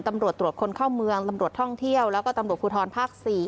ตำรวจตรวจคนเข้าเมืองตำรวจท่องเที่ยวแล้วก็ตำรวจภูทรภาค๔